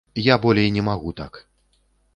Я болей не магу так!